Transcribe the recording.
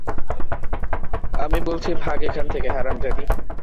আমি বলছি ভাগ এখান থেকে, হারামজাদি!